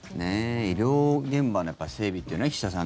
医療現場の整備というのは岸田さん